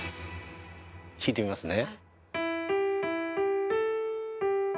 弾いてみますね。